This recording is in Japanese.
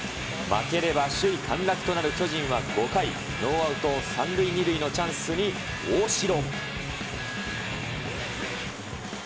負ければ首位陥落となる巨人は５回、ノーアウト３塁２塁のチャンスに大城。